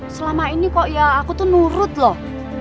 selama ini kok ya aku tuh nurut loh